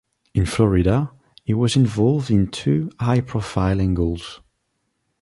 In Florida, he was involved in two high-profile angles.